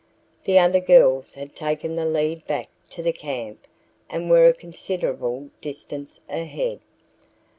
The other girls had taken the lead back to the camp and were a considerable distance ahead.